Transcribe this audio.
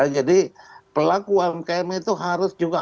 jadi pelaku umkm itu harus juga